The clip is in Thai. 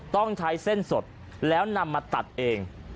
ต้องใช้เส้นสดแล้วนำมาตัดเอง